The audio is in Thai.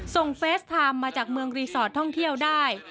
เฟสไทม์มาจากเมืองรีสอร์ทท่องเที่ยวได้